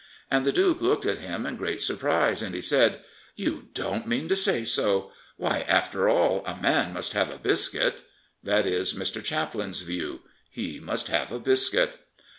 And the duke looked at him in great surprise, and he said; "You don't mean to say so! Why, after all, a man must have a biscuit." That is Mr. Chaplin's view. He must have a biscuit.